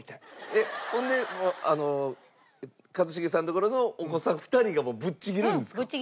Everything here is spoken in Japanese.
えっほんであの一茂さんのところのお子さん２人がもうぶっちぎるんですか？